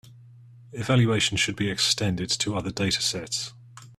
Evaluation should be extended to other datasets.